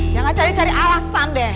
jangan cari cari alasan deh